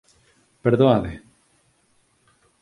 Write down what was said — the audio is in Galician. Perdoade.